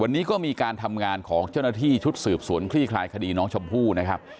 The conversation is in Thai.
วันนี้ก็มีการทำงานของเจ้าหน้าที่ชุดสืบสวนคลี่คลายคดีน้องชมพู่นะครับ